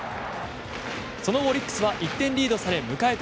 オリックスは一点リードされ迎えた